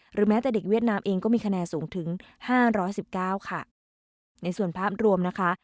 แม้แต่เด็กเวียดนามเองก็มีคะแนนสูงถึงห้าร้อยสิบเก้าค่ะในส่วนภาพรวมนะคะ